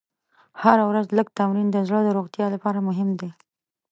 هره ورځ لږ تمرین د زړه د روغتیا لپاره مهم دی.